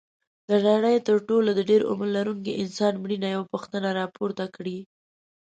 د نړۍ تر ټولو د ډېر عمر لرونکي انسان مړینې یوه پوښتنه راپورته کړې.